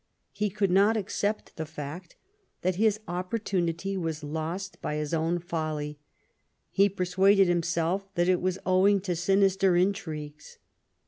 He could not accept the fact that his opportunity was lost by his own folly ; he persuaded himself that it was owing to sinister intrigues.